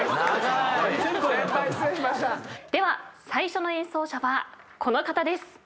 では最初の演奏者はこの方です。